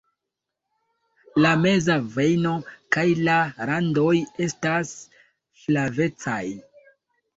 La meza vejno kaj la randoj estas flavecaj.